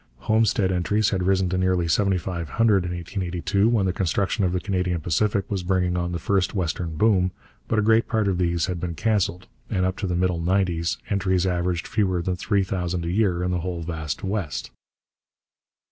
Homestead entries had risen to nearly seventy five hundred in 1882, when the construction of the Canadian Pacific was bringing on the first western boom, but a great part of these had been cancelled, and up to the middle nineties entries averaged fewer than three thousand a year in the whole vast West.